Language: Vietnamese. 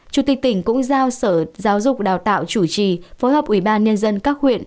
chủ tịch tỉnh cũng giao sở giáo dục và đào tạo chủ trì phối hợp ủy ban nhân dân các huyện